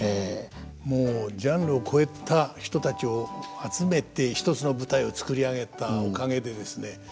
もうジャンルを超えた人たちを集めて一つの舞台を作り上げたおかげでですね